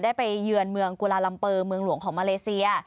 ไปเยือนเมืองกุลาลัมเปอร์เมืองหลวงของมาเลเซีย